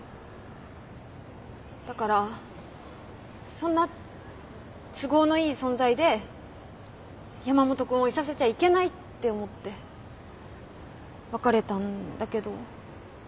だからそんな都合のいい存在で山本君をいさせちゃいけないって思って別れたんだけど。